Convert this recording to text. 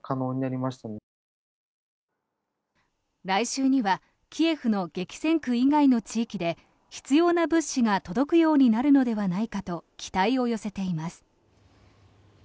来週にはキエフの激戦区以外の地域で必要な物資が届くようになるのではないかと期待を寄せています。